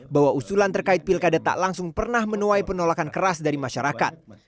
bahwa usulan terkait pilkada tak langsung pernah menuai penolakan keras dari masyarakat